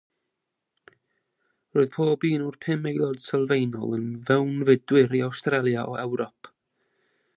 Roedd pob un o'r pum aelod sylfaenol yn fewnfudwyr i Awstralia o Ewrop.